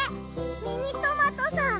ミニトマトさん